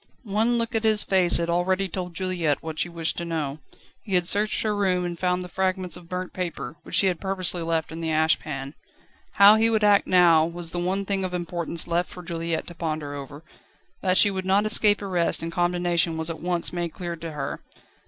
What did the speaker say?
One look at his face had already told Juliette what she wished to know. He had searched her room, and found the fragments of burnt paper, which she had purposely left in the ash pan. How he would act now was the one thing of importance left for Juliette to ponder over. That she would not escape arrest and condemnation was at once made clear to her.